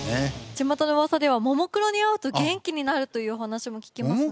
ちまたの噂ではももクロに会うと元気になるという話も聞きますが。